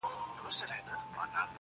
ژوند چي د سندرو سکه ورو دی لمبې کوې_